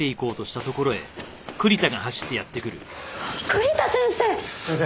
栗田先生！